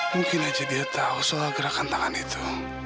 mungkin aja dia tahu soal gerakan tangan itu